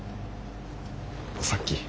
さっき。